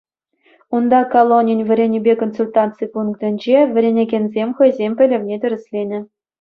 Унта колонин вӗренӳпе консультаци пунктӗнче вӗренекенсем хӑйсен пӗлӗвне тӗрӗсленӗ.